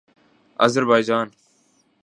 Azerbaijan